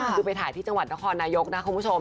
คือไปถ่ายที่จังหวัดนครนายกนะคุณผู้ชม